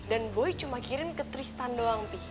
dan boy cuma kirim ke tristan doang pi